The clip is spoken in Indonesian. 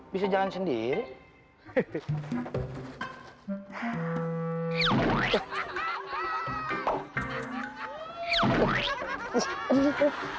bisa jalan sendiri